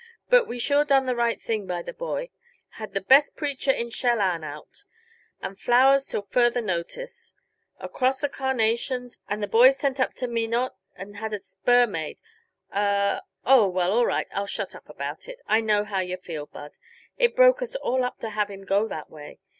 But we sure done the right thing by the boy; had the best preacher in Shellanne out, and flowers till further notice: a cross uh carnations, and the boys sent up to Minot and had a spur made uh oh, well, all right; I'll shut up about it, I know how yuh feel, Bud; it broke us all up to have him go that way.